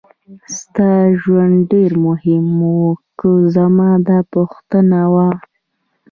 ستا ژوند ډېر مهم و که زما دا پوښتنه وه.